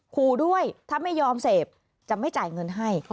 ขู่ด้วยถ้าไม่ยอมเสพจะไม่จ่ายเงินให้